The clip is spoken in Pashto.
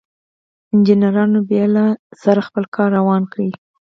انجنيرانو بيا له سره خپل کار روان کړ.